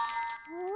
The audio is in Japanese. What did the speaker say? うん。